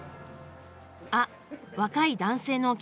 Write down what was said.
あっ若い男性のお客さん。